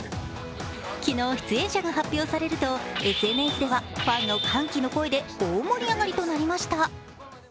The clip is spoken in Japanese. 昨日、出演者が発表されるとＳＮＳではファンの歓喜の声で大盛り上がりとなりました。